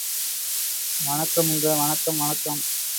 வணக்கமுங்க வணக்கம் வணக்கம்